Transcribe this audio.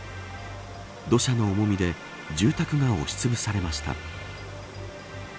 土砂の重みで住宅が押し潰されました。